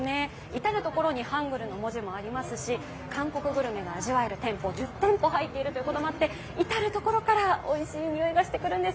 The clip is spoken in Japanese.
至る所にハングルの文字もありますし韓国グルメが味わえる店舗１０店舗入っているということもあって至る所からおいしいにおいがしてくるんです。